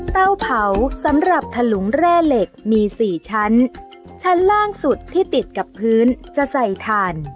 เตาเผาสำหรับถลุงแร่เหล็กมีสี่ชั้นชั้นล่างสุดที่ติดกับพื้นจะใส่ถ่าน